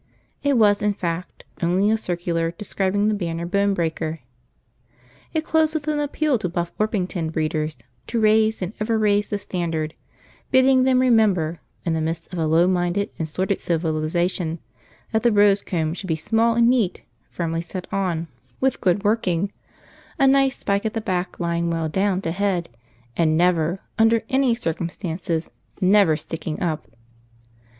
It was in fact only a circular describing the Banner Bone Breaker. It closed with an appeal to Buff Orpington breeders to raise and ever raise the standard, bidding them remember, in the midst of a low minded and sordid civilisation, that the rose comb should be small and neat, firmly set on, with good working, a nice spike at the back lying well down to head, and never, under any circumstances, never sticking up.